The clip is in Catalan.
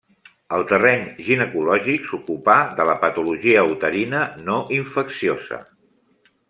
Al terreny ginecològic s'ocupà de la patologia uterina no infecciosa.